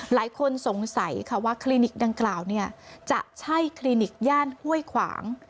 หลายคนสงสัยค่ะว่าคลินิกดังกล่าวเนี่ยจะใช่คลินิกย่านห้วยขวาง